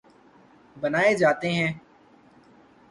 بنائے جاتے ہیں